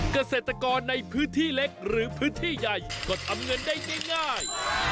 เกษตรกรในพื้นที่เล็กหรือพื้นที่ใหญ่ก็ทำเงินได้ง่าย